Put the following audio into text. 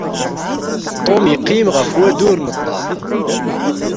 Tom yeqqim ɣef wadur n ṭṭaq.